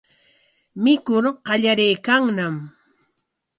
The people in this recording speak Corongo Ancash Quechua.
Mikur qallariykanñam.